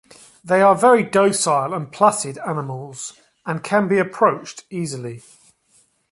They are very docile and placid animals and can be approached easily.